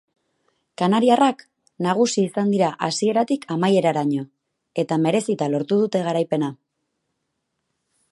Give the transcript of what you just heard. Kanariarrak nagusi izan dira hasieratik amaieraraino eta merezita lortu dute garaipena.